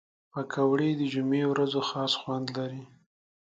پکورې د جمعې ورځو خاص خوند لري